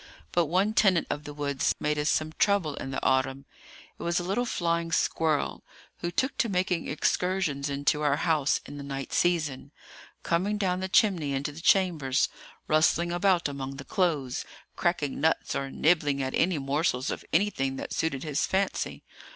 But one tenant of the woods made us some trouble in the autumn. It was a little flying squirrel, who took to making excursions into our house in the night season, coming down the chimney into the chambers, rustling about among the clothes, cracking nuts or nibbling at any morsels of anything that suited his fancy.